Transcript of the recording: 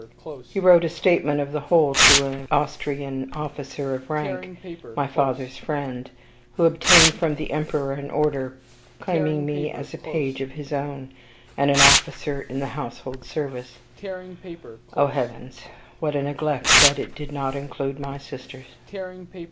He wrote a statement of the whole to an Austrian officer of rank, my father's friend, who obtained from the emperor an order, claiming me as a page of his own, and an officer in the household service. O heavens! what a neglect that it did not include my sisters!